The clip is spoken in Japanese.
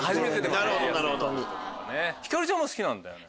ひかるちゃんも好きなんだよね。